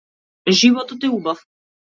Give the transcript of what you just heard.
Животот е убав.